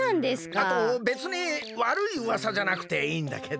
あとべつにわるいうわさじゃなくていいんだけど。